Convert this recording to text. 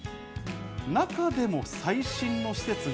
中でも最新の施設が。